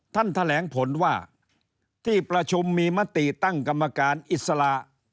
ท่านแถลงผลว่าที่ประชุมมีมติตั้งกรรมการอิสระ